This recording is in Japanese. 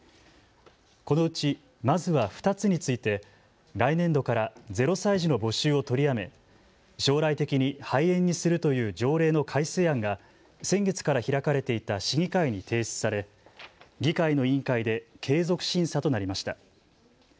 このうち、まずは２つについて来年度から０歳児の募集を取りやめ将来的に廃園にするという条例の改正案が先月から開かれていた市議会に提出され議会の委員会で継続審査となりました。